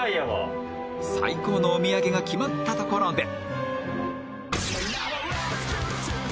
最高のおみやげが決まったところで